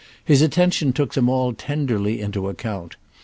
His attention took them all tenderly into account.